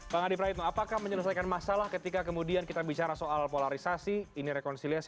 pak adi praitno apakah menyelesaikan masalah ketika kemudian kita bicara soal polarisasi ini rekonsiliasi